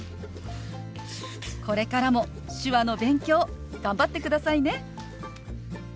これからも手話の勉強頑張ってくださいね。